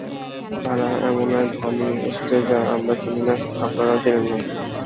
তারা এমন এক ধর্ম নিয়ে এসেছে যা আমরা চিনি না, আপনারাও চিনেন না।